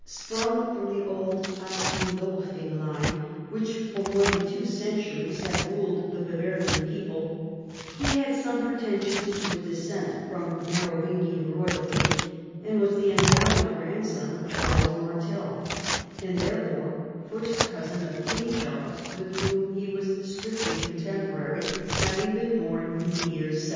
Sprung from the old Agilolfing line, which for more than two cen turies had ruled the Bavarian peo])le, he had some pretensions to a descent from Merovingian royalty, and was the undoubted grandson of Charles Martel, and therefore first cousin of King Charles, with whom he was strictly contemporary, having been born in the year 742.